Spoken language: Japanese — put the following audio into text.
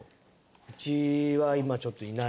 うちは今ちょっといないです。